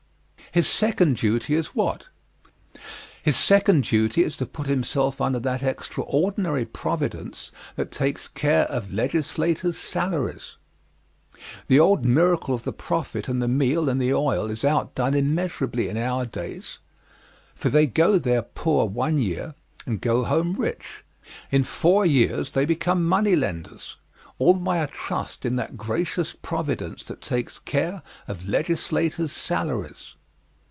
His second duty is what? His second duty is to put himself under that extraordinary providence that takes care of legislators' salaries. The old miracle of the prophet and the meal and the oil is outdone immeasurably in our days, for they go there poor one year, and go home rich; in four years they become moneylenders, all by a trust in that gracious providence that takes care of legislators' salaries.